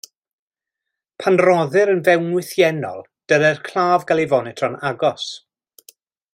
Pan roddir yn fewnwythiennol, dylai'r claf gael ei fonitro'n agos.